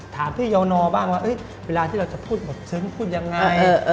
ถามพี่ยาวนอบ้างว่าเวลาที่เราจะพูดหมดซึ้งพูดยังไง